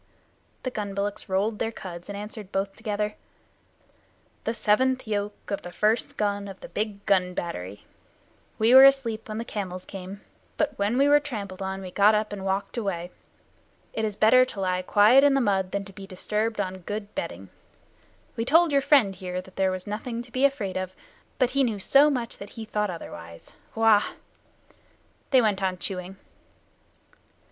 The gun bullocks rolled their cuds, and answered both together: "The seventh yoke of the first gun of the Big Gun Battery. We were asleep when the camels came, but when we were trampled on we got up and walked away. It is better to lie quiet in the mud than to be disturbed on good bedding. We told your friend here that there was nothing to be afraid of, but he knew so much that he thought otherwise. Wah!" They went on chewing.